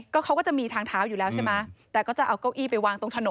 เขาก็จะมีทางเท้าอยู่แล้วใช่ไหมแต่ก็จะเอาเก้าอี้ไปวางตรงถนน